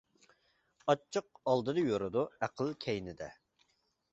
ئاچچىق ئالدىدا يۈرىدۇ، ئەقىل كەينىدە.